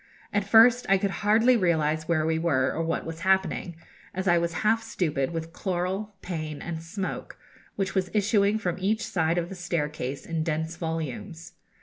At first I could hardly realise where we were, or what was happening, as I was half stupid with chloral, pain, and smoke, which was issuing from each side of the staircase in dense volumes.